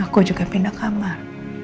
aku juga pindah kamar